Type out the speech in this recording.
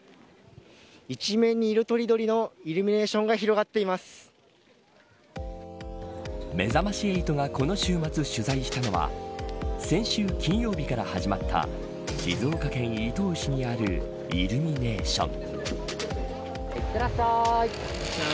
一面に色とりどりのイルミネーションがめざまし８がこの週末、取材したのは先週金曜日から始まった静岡県伊東市にあるイルミネーション。